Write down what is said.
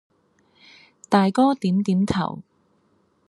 大哥點點頭。